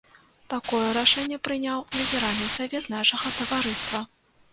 Такое рашэнне прыняў назіральны савет нашага таварыства.